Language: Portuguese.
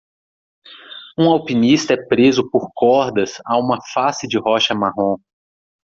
Um alpinista é preso por cordas a uma face de rocha marrom.